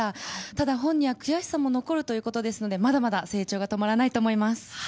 ただ、本人は悔しさも残るということなのでまだまだ成長が止まらないと思います。